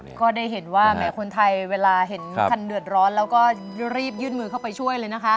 ก็ได้เห็นว่าแหมคนไทยเวลาเห็นท่านเดือดร้อนแล้วก็รีบยื่นมือเข้าไปช่วยเลยนะคะ